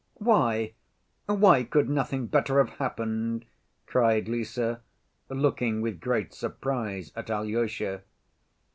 "Why, why could nothing better have happened?" cried Lise, looking with great surprise at Alyosha.